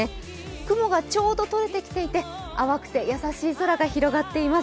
雲がちょうどとれてきていて、淡くて優しい空が広がっています。